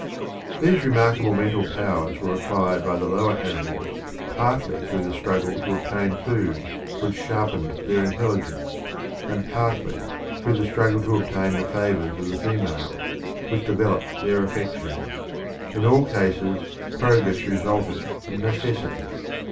These remarkable mental powers were acquired by the lower animals partly through the struggle to obtain food, which sharpened their intelligence; and partly through the struggle to obtain the favours of the females, which developed their affections. In all cases, progress resulted from necessity.